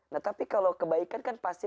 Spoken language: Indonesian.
nah tapi kalau kebaikan kan pasti